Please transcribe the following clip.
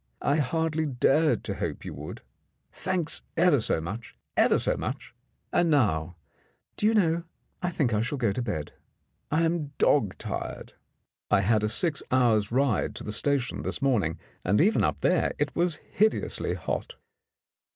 "I hardly dared to hope you would. Thanks ever so much — ever so much ! And now, do you know, I think I shall go to bed. I am dog tired. I had a i 121 In the Dark six hours' ride to the station this morning, and even up there it was hideously hot."